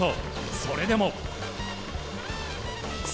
それでも。